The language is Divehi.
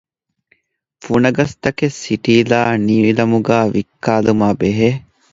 ފުނަގަސްތަކެއް ސިޓީލާ ނީލަމުގައި ވިއްކާލުމާއިބެހޭ